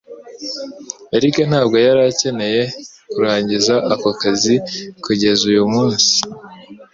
Eric ntabwo yari akeneye kurangiza ako kazi kugeza uyu munsi.